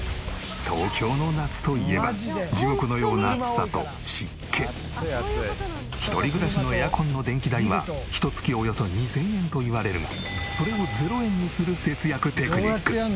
東京の夏といえば一人暮らしのエアコンの電気代はひと月およそ２０００円といわれるがそれを０円にする節約テクニック。